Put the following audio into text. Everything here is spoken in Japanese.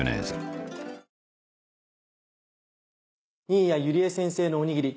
新谷友里江先生のおにぎり